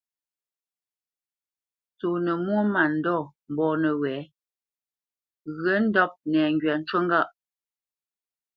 Ntsónə́ mwô mândɔ̂ mbɔ̂ nəwɛ̌, ŋgyə̂ ndɔ́p nɛŋgywa ncú ŋgâʼ.